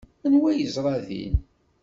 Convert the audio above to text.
Anwa ay yeẓra din?